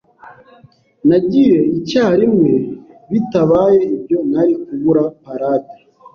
Nagiye icyarimwe, bitabaye ibyo nari kubura parade.